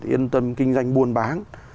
yên tâm kinh doanh buôn bán